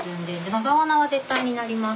野沢菜は絶対になります。